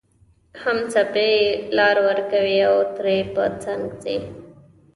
هم څپې لار ورکوي او ترې په څنګ ځي